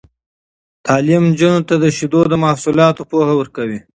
تعلیم نجونو ته د شیدو محصولاتو پوهه ورکوي.